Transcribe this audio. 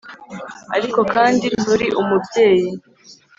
ariko kandi nturi umubyeyi